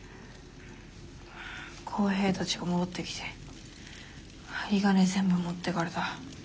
耕平たちが戻ってきて有り金全部持ってかれた。